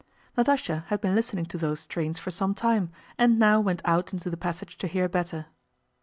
Natásha had been listening to those strains for some time and now went out into the passage to hear better.